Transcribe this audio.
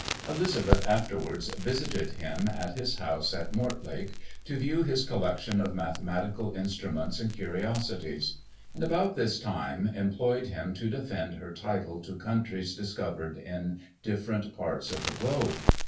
Elizabeth afterwards visited him at his house at Mortlake, to view his collection of mathematical instruments and curiosities; and about this time employed him to defend her title to countries discovered in different parts of the globe.